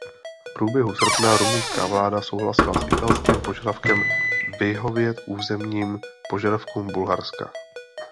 V průběhu srpna rumunská vláda souhlasila i s italským požadavkem vyhovět územním požadavkům Bulharska.